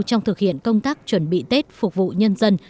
trong thực hiện công tác chuẩn bị tết phục vụ nhân dân